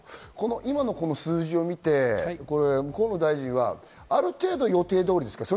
この数字を見て河野大臣はある程度予定通りですか？